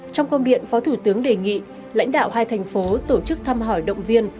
trong công điện phó thủ tướng đề nghị lãnh đạo hai thành phố tổ chức thăm hỏi động viên